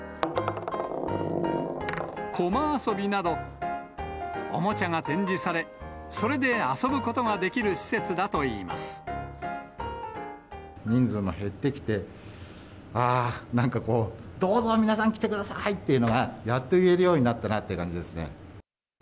こま遊びなど、おもちゃが展示され、それで遊ぶことができる施設人数も減ってきて、ああ、なんかこう、どうぞ皆さん、来てくださいっていうのが、やっと言えるようになったなって感じですね。